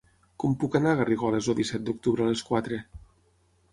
Com puc anar a Garrigoles el disset d'octubre a les quatre?